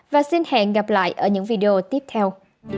và xin hẹn gặp lại ở những video tiếp theo